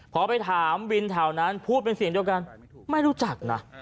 พอไปถามวินแถวนั้นพูดเป็นเสียงเดียวกันไม่รู้จักนะ